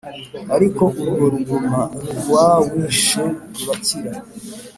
, ariko urwo ruguma rwawishe rurakira.